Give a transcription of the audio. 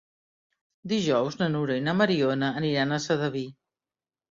Dijous na Nura i na Mariona aniran a Sedaví.